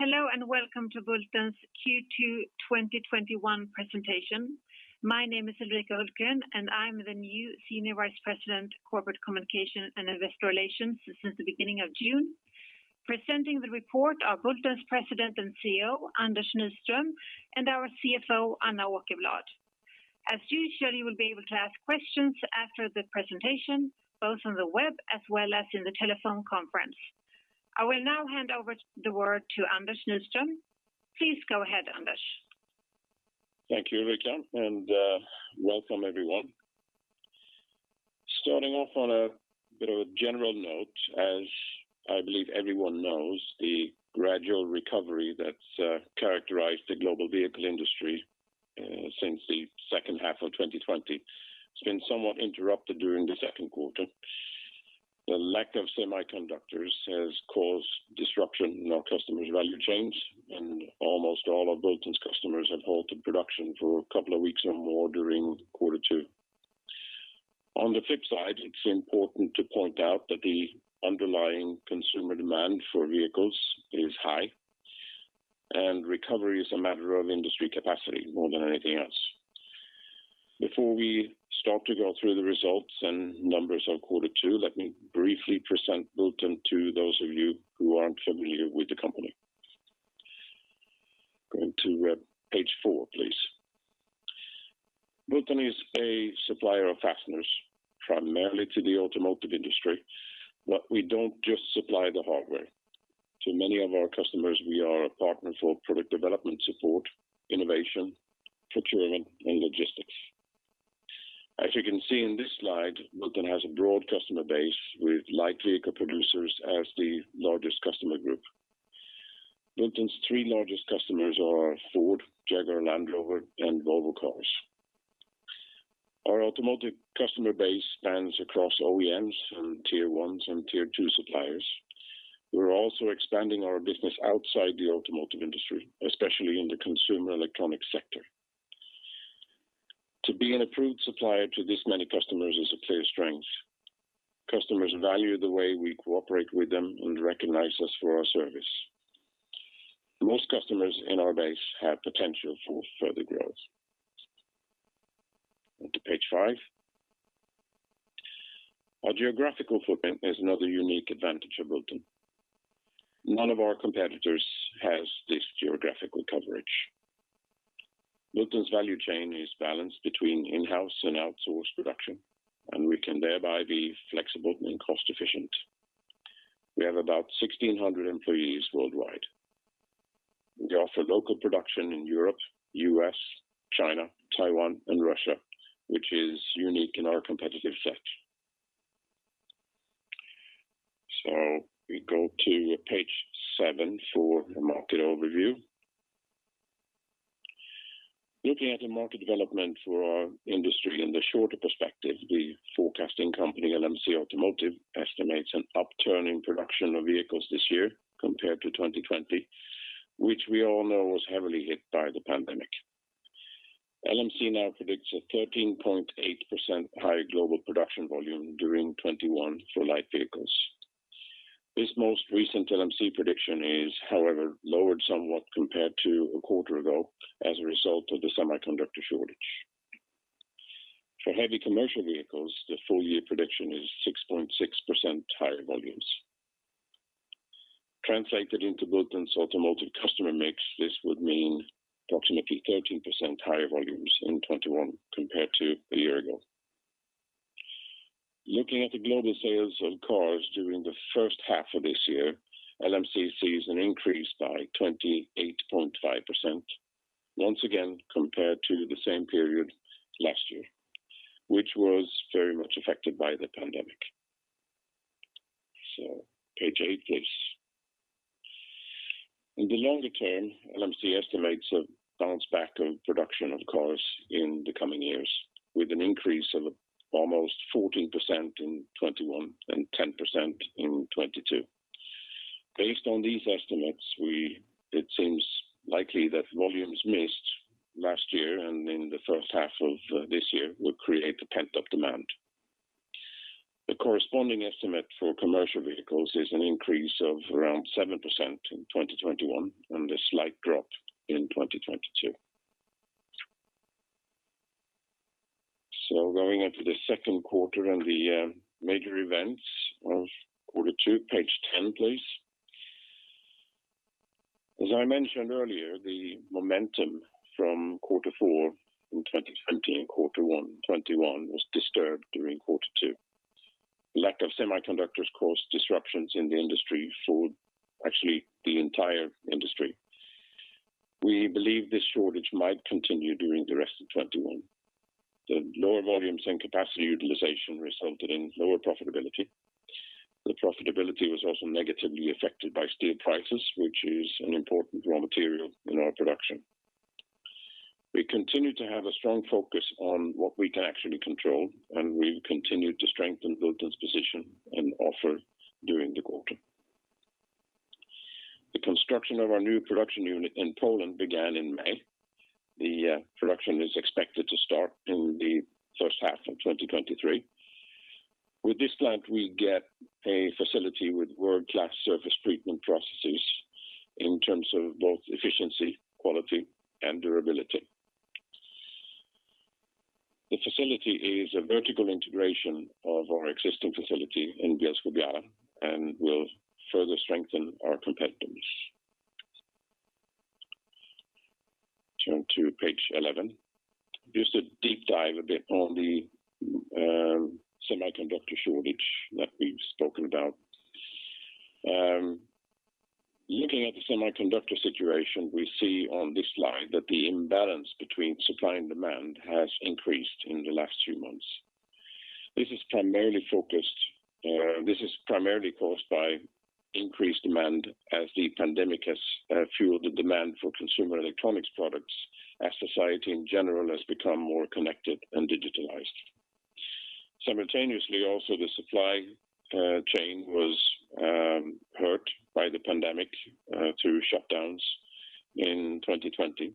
Hello, welcome to Bulten's Q2 2021 presentation. My name is Ulrika Hultgren, and I'm the new Senior Vice President, Corporate Communication and Investor Relations since the beginning of June. Presenting the report are Bulten's President and CEO, Anders Nystrom, and our CFO, Anna Åkerblad. As usual, you will be able to ask questions after the presentation, both on the web as well as in the telephone conference. I will now hand over the word to Anders Nystrom. Please go ahead, Anders. Thank you, Ulrika, and welcome everyone. Starting off on a, you know, general note, as I believe everyone knows, the gradual recovery that's characterized the global vehicle industry since the second half of 2020 has been somewhat interrupted during the second quarter. The lack of semiconductors has caused disruption in our customers' value chains. Almost all of Bulten's customers have halted production for a couple of weeks or more during quarter two. On the flip side, it's important to point out that the underlying consumer demand for vehicles is high, and recovery is a matter of industry capacity more than anything else. Before we start to go through the results and numbers of quarter two, let me briefly present Bulten to those of you who aren't familiar with the company. Going to page four, please. Bulten is a supplier of fasteners, primarily to the automotive industry, but we don't just supply the hardware. To many of our customers, we are a partner for product development support, innovation, procurement, and logistics. As you can see in this slide, Bulten has a broad customer base with light vehicle producers as the largest customer group. Bulten's three largest customers are Ford, Jaguar Land Rover, and Volvo Cars. Our automotive customer base spans across OEMs and Tier 1 and Tier 2 suppliers. We're also expanding our business outside the automotive industry, especially in the consumer electronics sector. To be an approved supplier to this many customers is a clear strength. Customers value the way we cooperate with them and recognize us for our service. Most customers in our base have potential for further growth. On to page five. Our geographical footprint is another unique advantage of Bulten. None of our competitors has this geographical coverage. Bulten's value chain is balanced between in-house and outsourced production, and we can thereby be flexible and cost-efficient. We have about 1,600 employees worldwide. We offer local production in Europe, U.S., China, Taiwan, and Russia, which is unique in our competitive set. We go to page seven for a market overview. Looking at the market development for our industry in the shorter perspective, the forecasting company LMC Automotive estimates an upturn in production of vehicles this year compared to 2020, which we all know was heavily hit by the pandemic. LMC now predicts a 13.8% higher global production volume during 2021 for light vehicles. This most recent LMC prediction is, however, lowered somewhat compared to a quarter ago as a result of the semiconductor shortage. For heavy commercial vehicles, the full-year prediction is 6.6% higher volumes. Translated into Bulten's automotive customer mix, this would mean approximately 13% higher volumes in 2021 compared to a year ago. Looking at the global sales of cars during the first half of this year, LMC sees an increase by 28.5%, once again, compared to the same period last year, which was very much affected by the pandemic. Page eight, please. In the longer term, LMC estimates a bounce back of production of cars in the coming years with an increase of almost 14% in 2021 and 10% in 2022. Based on these estimates, it seems likely that volumes missed last year and in the first half of this year will create a pent-up demand. The corresponding estimate for commercial vehicles is an increase of around 7% in 2021 and a slight drop in 2022. Going into the second quarter and the major events of quarter two, page 10, please. As I mentioned earlier, the momentum from quarter four in 2020 and quarter one 2021 was disturbed during quarter two. The lack of semiconductors caused disruptions in the industry for actually the entire industry. We believe this shortage might continue during the rest of 2021. The lower volumes and capacity utilization resulted in lower profitability. The profitability was also negatively affected by steel prices, which is an important raw material in our production. We continue to have a strong focus on what we can actually control, and we've continued to strengthen Bulten's position and offer during the quarter. The construction of our new production unit in Poland began in May. The production is expected to start in the first half of 2023. With this plant, we get a facility with world-class surface treatment processes in terms of both efficiency, quality, and durability. The facility is a vertical integration of our existing facility in Bielsko-Biała and will further strengthen our competence. Turn to page 11. Just a deep dive a bit on the semiconductor shortage that we've spoken about. Looking at the semiconductor situation, we see on this slide that the imbalance between supply and demand has increased in the last few months. This is primarily caused by increased demand as the pandemic has fueled the demand for consumer electronics products as society in general has become more connected and digitalized. Simultaneously, also, the supply chain was hurt by the pandemic through shutdowns in 2020.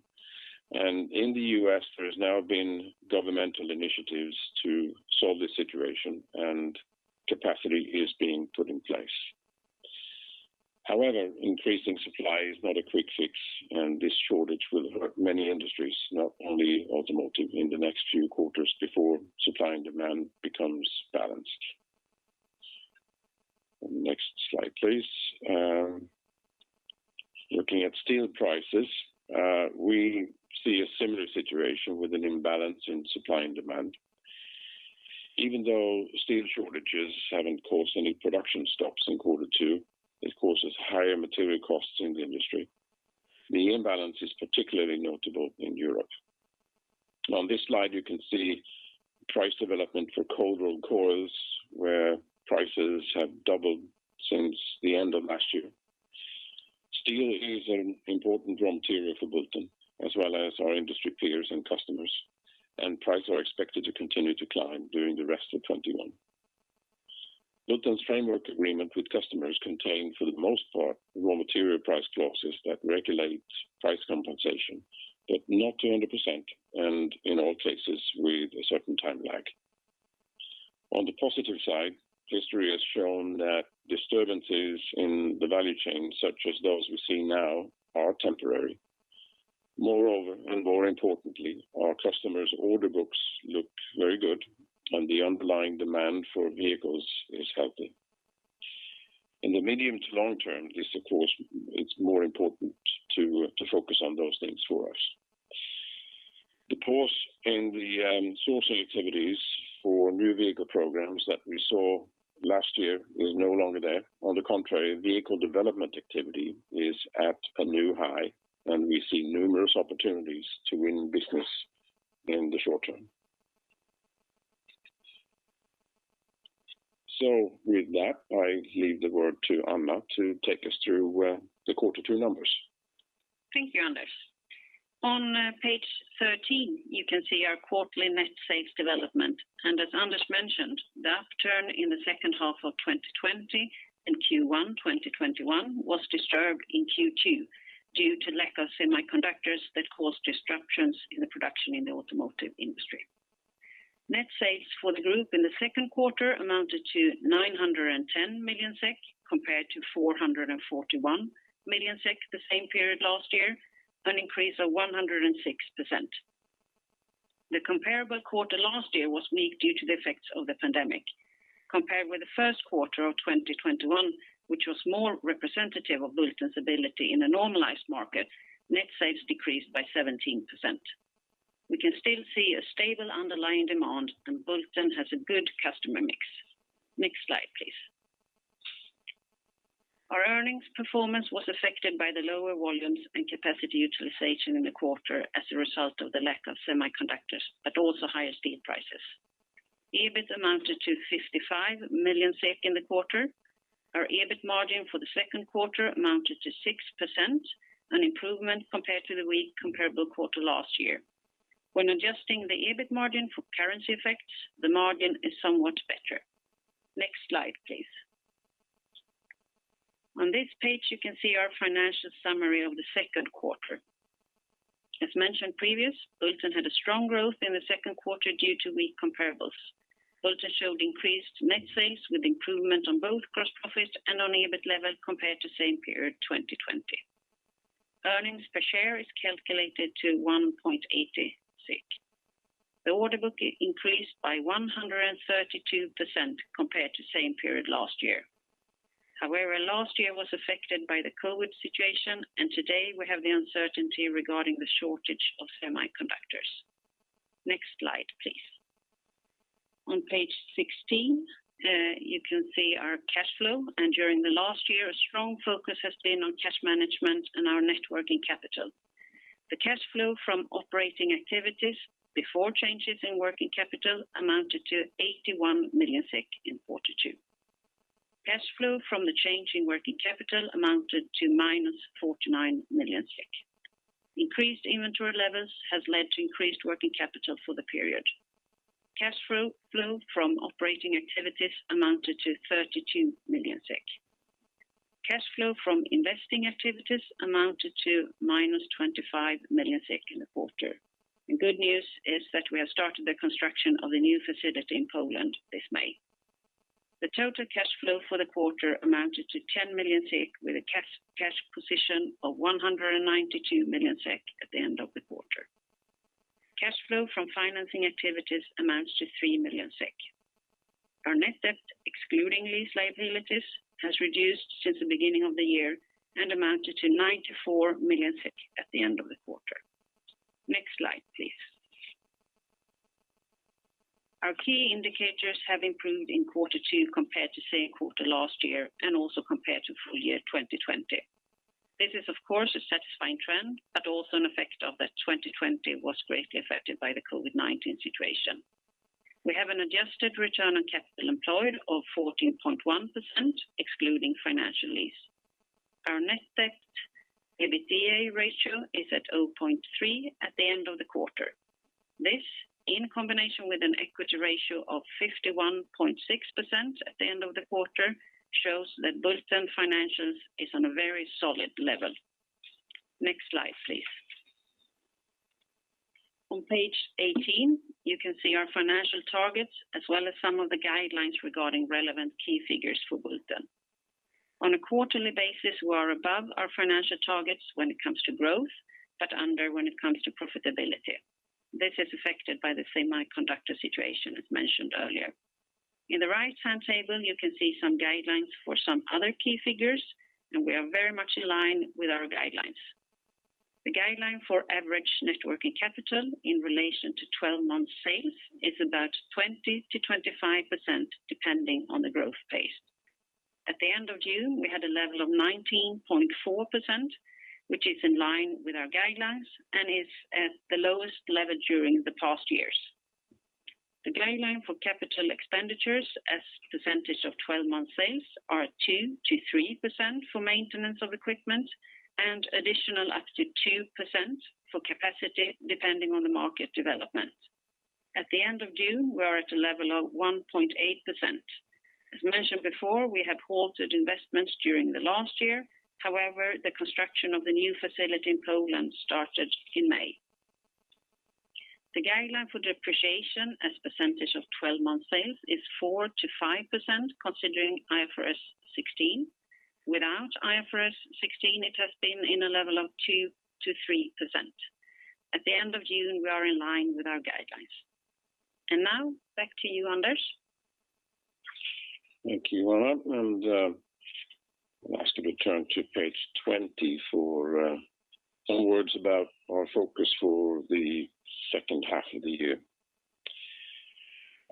Andi n the U.S., there has now been governmental initiatives to solve the situation and capacity is being put in place. However, increasing supply is not a quick fix, and this shortage will hurt many industries, not only automotive, in the next few quarters before supply and demand becomes balanced. Next slide, please. Looking at steel prices, we see a similar situation with an imbalance in supply and demand. Even though steel shortages haven't caused any production stops in quarter two, this causes higher material costs in the industry. The imbalance is particularly notable in Europe. On this slide, you can see price development for cold-rolled coils, where prices have doubled since the end of last year. Steel is an important raw material for Bulten as well as our industry peers and customers, and prices are expected to continue to climb during the rest of 2021. Bulten's framework agreement with customers contain, for the most part, raw material price clauses that regulate price compensation, but not to 100%, and in all cases, with a certain time lag. On the positive side, history has shown that disturbances in the value chain, such as those we see now, are temporary. Moreover, and more importantly, our customers' order books look very good and the underlying demand for vehicles is healthy. In the medium to long term, this, of course, it's more important to focus on those things for us. The pause in the sourcing activities for new vehicle programs that we saw last year is no longer there. On the contrary, vehicle development activity is at a new high, and we see numerous opportunities to win business in the short term. So with that, I leave the word to Anna to take us through the quarter two numbers. Thank you, Anders. On page 13, you can see our quarterly net sales development. As Anders mentioned, the upturn in the second half of 2020 and Q1 2021 was disturbed in Q2 due to lack of semiconductors that caused disruptions in the production in the automotive industry. Net sales for the group in the second quarter amounted to 910 million SEK, compared to 441 million SEK the same period last year, an increase of 106%. The comparable quarter last year was weak due to the effects of the pandemic. Compared with the first quarter of 2021, which was more representative of Bulten's ability in a normalized market, net sales decreased by 17%. We can still see a stable underlying demand, and Bulten has a good customer mix. Next slide, please. Our earnings performance was affected by the lower volumes and capacity utilization in the quarter as a result of the lack of semiconductors, but also higher steel prices. EBIT amounted to 65 million in the quarter. Our EBIT margin for the Q2 amounted to 6%, an improvement compared to the weak comparable quarter last year. When adjusting the EBIT margin for currency effects, the margin is somewhat better. Next slide, please. On this page, you can see our financial summary of the second quarter. As mentioned previous, Bulten had a strong growth in the second quarter due to weak comparables. Bulten showed increased net sales with improvement on both gross profits and on EBIT levels compared to same period 2020. Earnings per share is calculated to 1.80. The order book increased by 132% compared to same period last year. Last year was affected by the COVID-19 situation. Today we have the uncertainty regarding the shortage of semiconductors. Next slide, please. On page 16, you can see our cash flow. During the last year, a strong focus has been on cash management and our net working capital. The cash flow from operating activities before changes in working capital amounted to 81 million SEK in quarter two. Cash flow from the change in working capital amounted to -49 million. Increased inventory levels has led to increased working capital for the period. Cash flow from operating activities amounted to 32 million SEK. Cash flow from investing activities amounted to -25 million SEK in the quarter. The good news is that we have started the construction of a new facility in Poland this May. The total cash flow for the quarter amounted to 10 million SEK with a cash position of 192 million SEK at the end of the quarter. Cash flow from financing activities amounts to 3 million SEK. Our net debt, excluding lease liabilities, has reduced since the beginning of the year and amounted to 94 million at the end of the quarter. Next slide, please. Our key indicators have improved in quarter two compared to same quarter last year and also compared to full year 2020. This is of course a satisfying trend, but also an effect of that 2020 was greatly affected by the COVID-19 situation. We have an adjusted return on capital employed of 14.1%, excluding financial lease. Our net debt EBITDA ratio is at 0.3% at the end of the quarter. This, in combination with an equity ratio of 51.6% at the end of the quarter, shows that Bulten financials is on a very solid level. Next slide, please. On page 18, you can see our financial targets as well as some of the guidelines regarding relevant key figures for Bulten. On a quarterly basis, we are above our financial targets when it comes to growth, but under when it comes to profitability. This is affected by the semiconductor situation, as mentioned earlier. In the right-hand table, you can see some guidelines for some other key figures. We are very much in line with our guidelines. The guideline for average net working capital in relation to 12 months sales is about 20%-25%, depending on the growth pace. At the end of June, we had a level of 19.4%, which is in line with our guidelines and is at the lowest level during the past years. The guideline for capital expenditures as a percentage of 12-month sales are 2%-3% for maintenance of equipment and additional up to 2% for capacity, depending on the market development. At the end of June, we are at a level of 1.8%. As mentioned before, we have halted investments during the last year. However, the construction of a new facility in Poland started in May. The guideline for depreciation as a percentage of 12-month sales is 4%-5% considering IFRS 16. Without IFRS 16, it has been in a level of 2%-3%. At the end of June, we are in line with our guidelines. Now back to you, Anders. Thank you, Anna. I'd like to return to page 20 for some words about our focus for the second half of the year.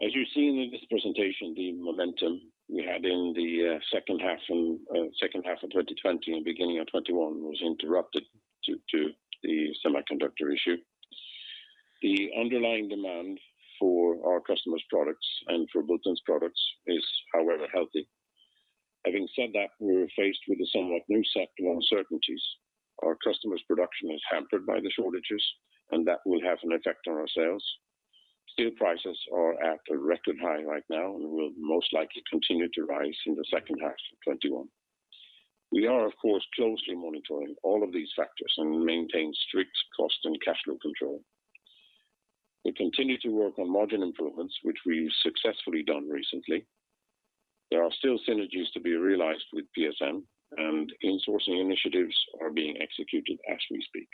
As you've seen in this presentation, the momentum we had in the second half of 2020 and beginning of 2021 was interrupted due to the semiconductor issue. The underlying demand for our customers' products and for Bulten's products is, however, healthy. Having said that, we're faced with a somewhat new set of uncertainties. Our customers' production is hampered by the shortages, and that will have an effect on our sales. Steel prices are at a record high right now and will most likely continue to rise in the second half of 2021. We are, of course, closely monitoring all of these factors and maintain strict cost and cash flow control. We continue to work on margin improvements, which we've successfully done recently. There are still synergies to be realized with PSM, and in-sourcing initiatives are being executed as we speak.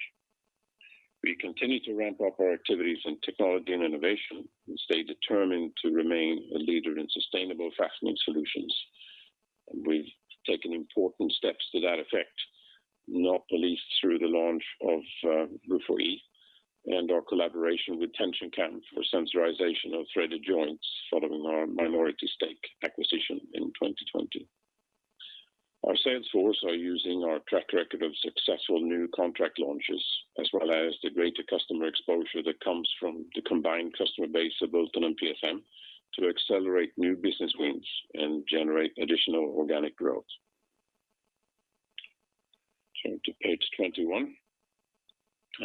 We continue to ramp up our activities in technology and innovation and stay determined to remain a leader in sustainable fastening solutions, and we've taken important steps to that effect, not the least through the launch of lead-free and our collaboration with TensionCam for sensorization of threaded joints following our minority stake acquisition in 2020. Our sales force are using our track record of successful new contract launches as well as the greater customer exposure that comes from the combined customer base of Bulten and PSM to accelerate new business wins and generate additional organic growth. Turn to page 21.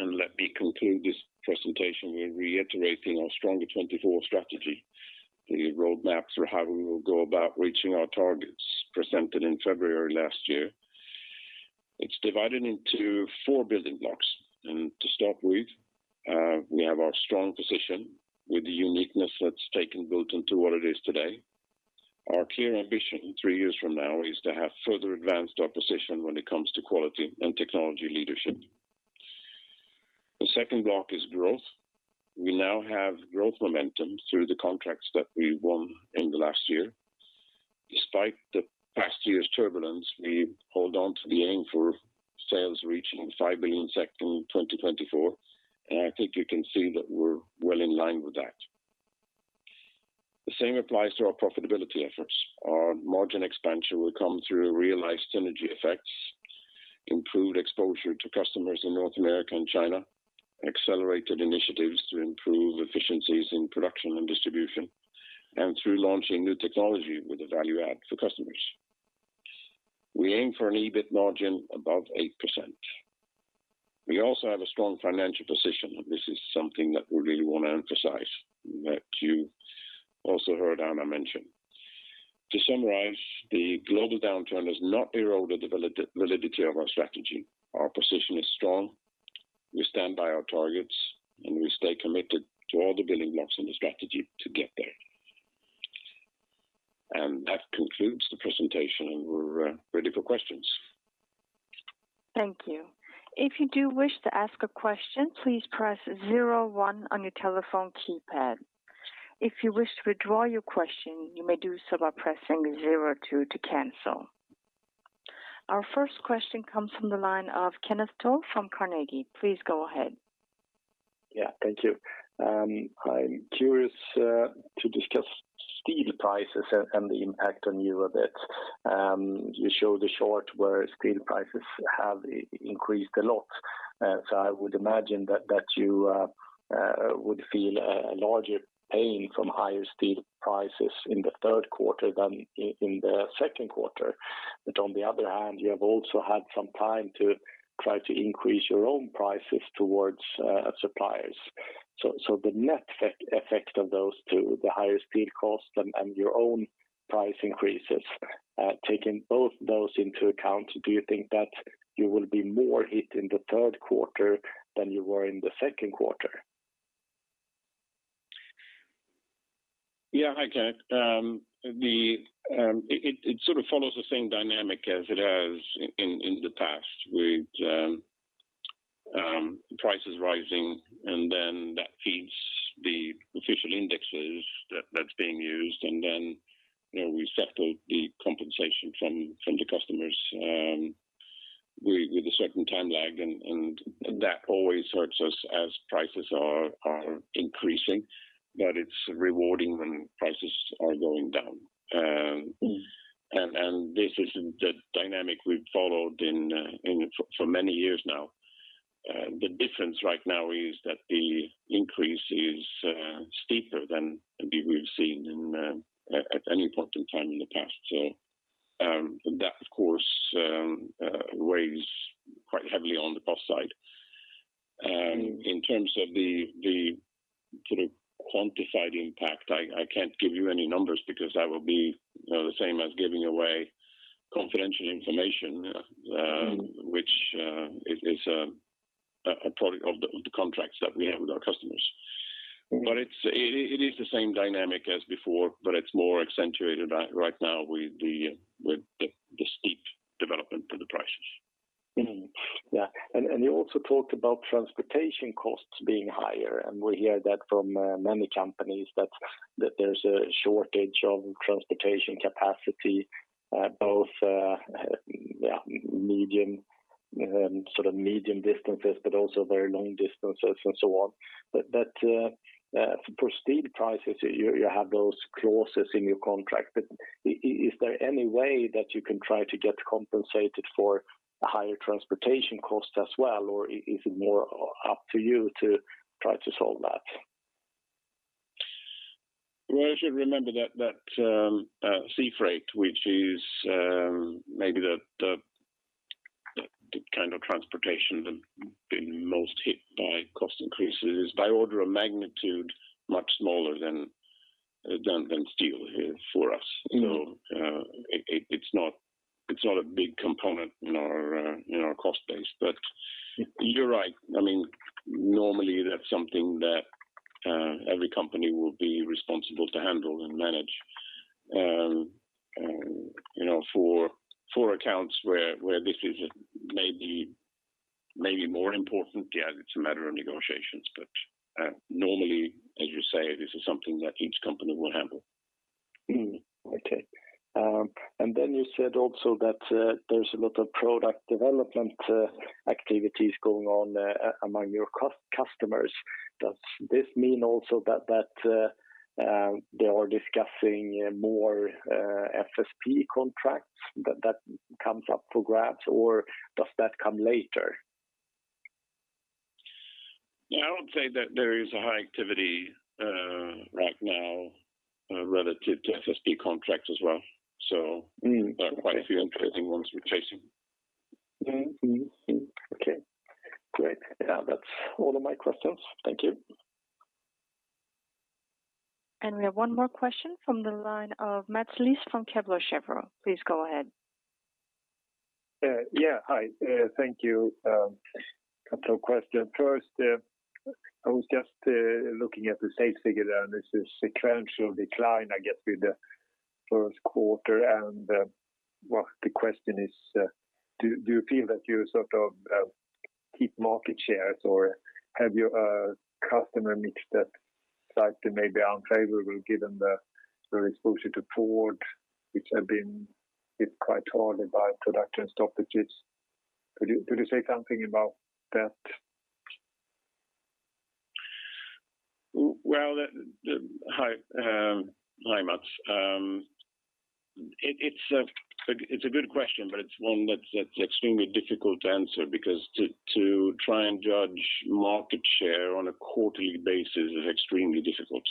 Let me conclude this presentation with reiterating our Stronger 24 strategy, the roadmap for how we will go about reaching our targets presented in February last year. It's divided into four building blocks. To start with, we have our strong position with the uniqueness that's taken Bulten to what it is today. Our clear ambition three years from now is to have further advanced our position when it comes to quality and technology leadership. The second block is growth. We now have growth momentum through the contracts that we won in the last year. Despite the past year's turbulence, we hold on to the aim for sales reaching 5 billion in 2024. And I think you can see that we're well in line with that. The same applies to our profitability efforts. Our margin expansion will come through realized synergy effects, improved exposure to customers in North America and China, accelerated initiatives to improve efficiencies in production and distribution, and through launching new technology with a value add for customers. We aim for an EBIT margin above 8%. We also have a strong financial position, and this is something that we really want to emphasize and that you also heard Anna mention. To summarize, the global downturn has not eroded the validity of our strategy. Our position is strong. We stand by our targets, and we stay committed to all the building blocks in the strategy to get there. And that concludes the presentation, and we're ready for questions. Thank you. If you do wish to ask a question, please press zero-one on your telephone keypad. If you wish to withdraw your question, you may do so by pressing zero-two to cancel. Our first question comes from the line of Kenneth Toll from Carnegie. Please go ahead. Yeah, thank you. I'm curious to discuss steel prices and the impact on you of it. You showed a chart where steel prices have increased a lot. So, I would imagine that you would feel a larger pain from higher steel prices in the third quarter than in the second quarter. On the other hand, you have also had some time to try to increase your own prices towards suppliers. So, the net effect of those two, the higher steel cost and your own price increases, taking both those into account, do you think that you will be more hit in the third quarter than you were in the second quarter? Hi, Ken. It sort of follows the same dynamic as it has in the past with prices rising, and then that feeds the official indexes that's being used. We settle the compensation from the customers with a certain time lag, that always hurts us as prices are increasing, it's rewarding when prices are going down. This is the dynamic we've followed for many years now. The difference right now is that the increase is steeper than maybe we've seen at any point in time in the past. That, of course, weighs quite heavily on the cost side. In terms of the sort of quantified impact, I can't give you any numbers because that would be the same as giving away confidential information, which is a part of the contracts that we have with our customers. It is the same dynamic as before, but it’s more accentuated right now with the steep development of the prices. And you also talked about transportation costs being higher, and we hear that from many companies, that there's a shortage of transportation capacity, both sort of medium distances, but also very long distances and so on. For steel prices, you have those clauses in your contract. Is there any way that you can try to get compensated for the higher transportation cost as well, or is it more up to you to try to solve that? You should remember that sea freight, which is maybe the kind of transportation that has been most hit by cost increases, is by order of magnitude much smaller than steel for us. You know, it's not a big component in our cost base. You're right. Normally, that's something that every company will be responsible to handle and manage. You know, for accounts where this is maybe more important, it's a matter of negotiations, but normally, as you say, this is something that each company will handle. Okay. Then, you said also that there's a lot of product development activities going on among your customers. Does this mean also that they are discussing more FSP contracts that comes up for grabs, or does that come later? I would say that there is a high activity right now relative to FSP contracts as well. So, there are quite a few interesting ones we're chasing. Okay, great. That's all of my questions. Thank you. We have one more question from the line of Mats Liss from Kepler Cheuvreux. Please go ahead. Yeah. Hi. Thank you. Couple of questions. First, I was just looking at the sales figure there, and there's a sequential decline, I guess, through the first quarter. Well, the question is, do you feel that you sort of keep market shares, or have you a customer mix that is likely maybe unfavorable given the exposure to Ford, which has been hit quite hard by production stoppages? Could you say something about that? Well, hi, Mats. It's a good question, but it's one that's extremely difficult to answer because to try and judge market share on a quarterly basis is extremely difficult.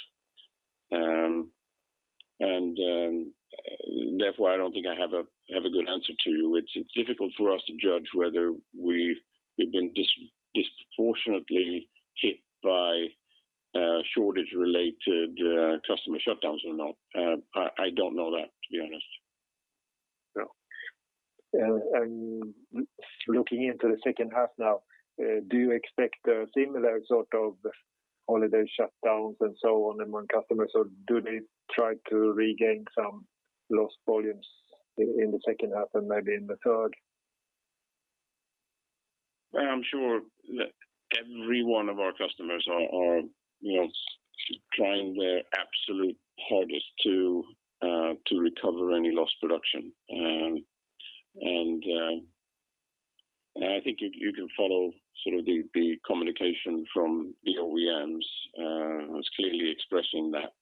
Therefore, I don't think I have a good answer to you. It's difficult for us to judge whether we've been disproportionately hit by shortage-related customer shutdowns or not. I don't know that, to be honest. Yeah. And looking into the second half now, do you expect a similar sort of holiday shutdowns and so on among customers, or do they try to regain some lost volumes in the second half and maybe in the third? I'm sure every one of our customers are trying their absolute hardest to recover any lost production. And I think if you can follow the communication from the OEMs, clearly expressing that.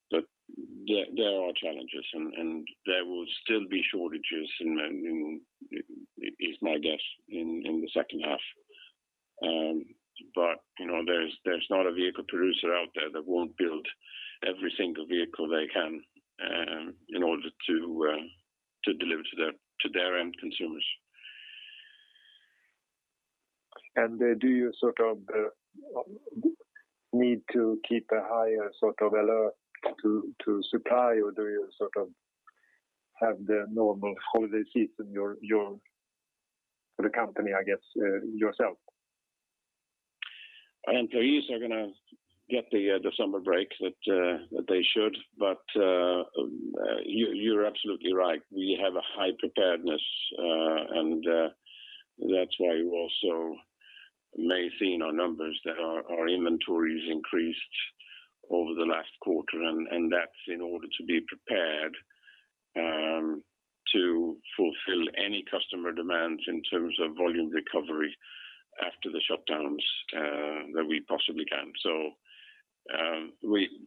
There are challenges, and there will still be shortages, is my guess, in the second half. But, you know, there's not a vehicle producer out there that won't build every single vehicle they can in order to deliver to their end consumers. Do you need to keep a higher alert to supply, or do you have the normal holiday season for the company, I guess, yourself? Employees are going to get the summer break that they should, but you're absolutely right. We have a high preparedness, and that's why you also may have seen our numbers, that our inventory has increased over the last quarter, and that's in order to be prepared to fulfill any customer demands in terms of volume recovery after the shutdowns that we possibly can.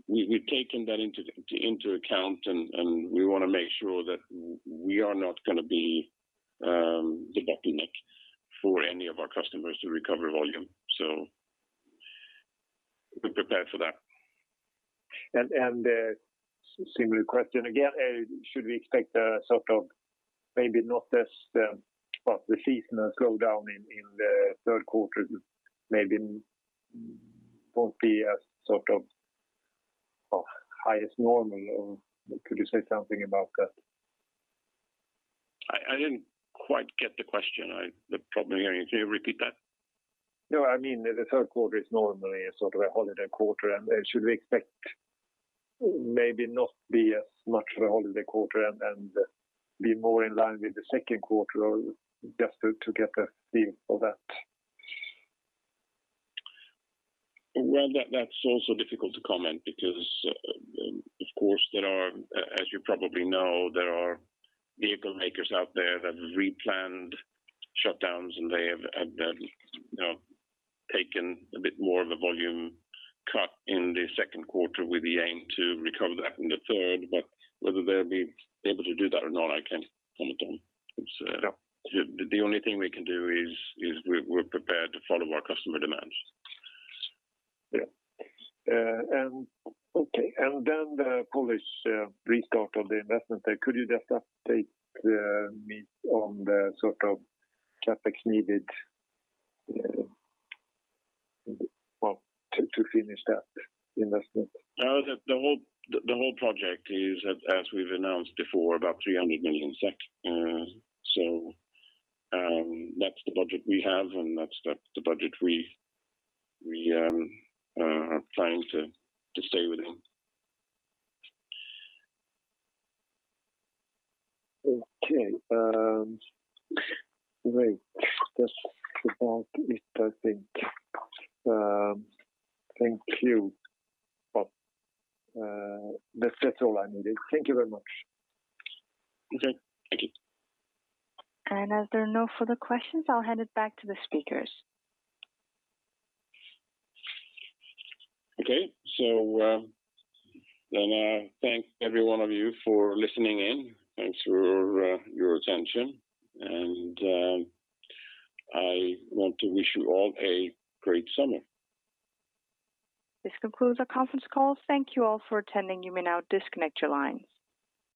We've taken that into account, and we want to make sure that we are not going to be the bottleneck for any of our customers to recover volume. So, we're prepared for that. Similar question again, should we expect maybe not as much seasonal slowdown in the third quarter, maybe won't be as high as normal, or could you say something about that? I didn't quite get the question. Probably, could you repeat that? No, I mean, the third quarter is normally a sort of a holiday quarter, and should we expect maybe not be as much of a holiday quarter and be more in line with the second quarter or just to get a feel for that? Then, that's also difficult to comment because, of course, as you probably know, there are vehicle makers out there that have replanned shutdowns, and they have taken a bit more of a volume cut in the second quarter with the aim to recover that in the third quarter, but whether they'll be able to do that or not, I can't comment on. The only thing we can do is we're prepared to follow our customer demands. Yeah. Okay. Then, the Polish restart of the investment, could you just update me on the sort of CapEx needed to finish that investment? The whole project is, as we've announced before, about 300 million SEK. So, that's the budget we have, and that's the budget we are planning to stay within. Okay. Great. That's all of it, I think. Thank you. Well, that's all I needed. Thank you very much. Okay. As there are no further questions, I'll hand it back to the speakers. Okay, so, I thank every one of you for listening in. Thanks for your attention. And I want to wish you all a great summer. This concludes our conference call. Thank you all for attending. You may now disconnect your lines.